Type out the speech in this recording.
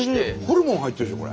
ホルモン入ってるでしょ